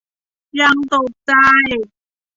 ยังตกใจ